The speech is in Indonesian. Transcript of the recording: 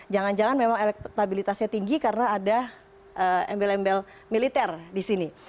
jangan jangan memang elektabilitasnya tinggi karena ada embel embel militer di sini